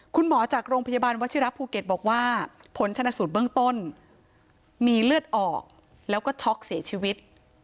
คุณหมอจากโรงพยาบาลวัชิระภูเก็ตบอกว่าผลชนสูตรเบื้องต้นมีเลือดออกแล้วก็ช็อกเสียชีวิต